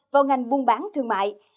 vào ngành buôn bán thương mại